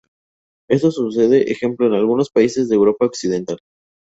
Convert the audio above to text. Esto sucede, ejemplo en algunos países de Europa Occidental.